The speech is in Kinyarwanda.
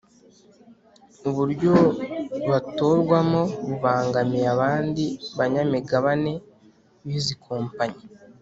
uburyo batorwamo bubangamiye abandi banyamigabane bizi kompanyi